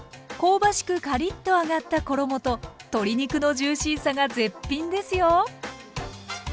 香ばしくカリッと揚がった衣と鶏肉のジューシーさが絶品ですよ！